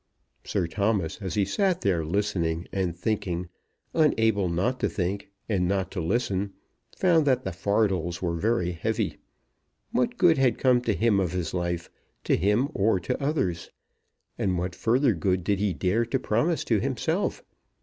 Sir Thomas, as he sat there listening and thinking, unable not to think and not to listen, found that the fardels were very heavy. What good had come to him of his life, to him or to others? And what further good did he dare to promise to himself?